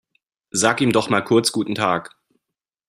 Sag ihm doch mal kurz guten Tag.